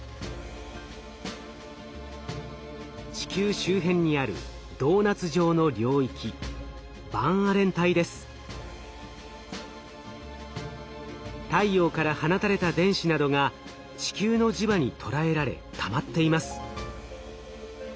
地球周辺にあるドーナツ状の領域太陽から放たれた電子などが地球の磁場にとらえられたまっています。